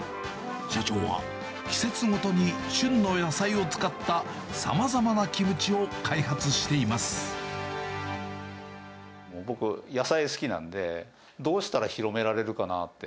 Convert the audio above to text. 社長は季節ごとに旬の野菜を使ったさまざまなキムチを開発してい僕、野菜好きなんで、どうしたら広められるかなって。